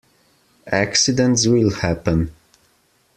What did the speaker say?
Accidents will happen.